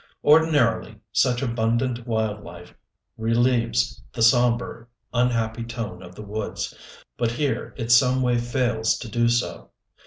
Ordinarily such abundant wild life relieves the somber, unhappy tone of the woods, but here it some way fails to do so.